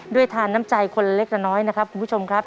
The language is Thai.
ทานน้ำใจคนเล็กละน้อยนะครับคุณผู้ชมครับ